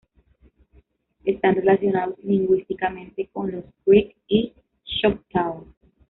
Están relacionados lingüísticamente con los creek y choctaw.